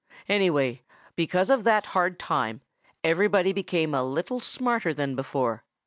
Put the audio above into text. Anyway, because of that hard time, everybody became a little smarter than before.